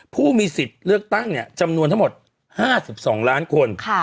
ผู้มีสิทธิ์เลือกตั้งจำนวนทั้งหมด๕๒ล้านคน